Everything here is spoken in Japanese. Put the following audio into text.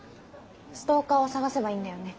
ストーカーを捜せばいいんだよね？